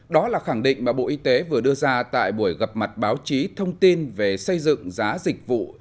đó là khẳng định mà bộ y tế vừa đưa ra tại buổi gặp mặt báo chí thông tin về xây dựng giá dịch vụ